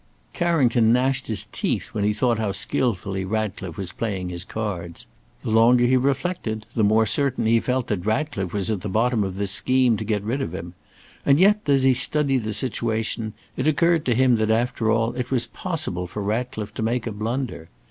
Carrington gnashed his teeth when he thought how skilfully Ratcliffe was playing his cards. The longer he reflected, the more certain he felt that Ratcliffe was at the bottom of this scheme to get rid of him; and yet, as he studied the situation, it occurred to him that after all it was possible for Ratcliffe to make a blunder.